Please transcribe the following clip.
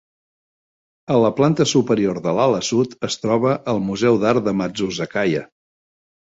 A la planta superior de l'ala sud es troba el Museu d'Art de Matsuzakaya.